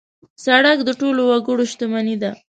سړک د ټولو وګړو شتمني ده.